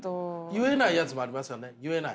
言えないやつもありますよね言えない。